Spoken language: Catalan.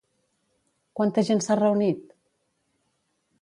Quanta gent s'ha reunit?